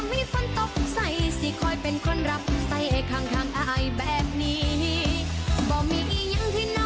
พี่ฝีกันได้ป่ะ